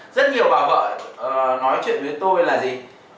rất nhiều bà vợ nói chuyện với tôi là gì